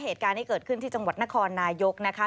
เหตุการณ์ที่เกิดขึ้นที่จังหวัดนครนายกนะคะ